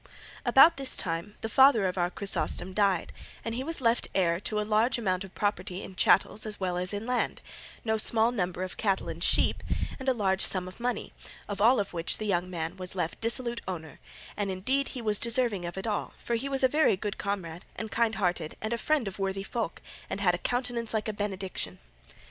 About this time the father of our Chrysostom died, and he was left heir to a large amount of property in chattels as well as in land, no small number of cattle and sheep, and a large sum of money, of all of which the young man was left dissolute owner, and indeed he was deserving of it all, for he was a very good comrade, and kind hearted, and a friend of worthy folk, and had a countenance like a benediction.